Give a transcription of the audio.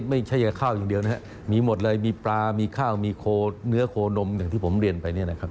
ไม่ใช่แค่ข้าวอย่างเดียวมีหมดเลยมีปลามีข้าวมีเนื้อโคนมอย่างที่ผมเรียนไป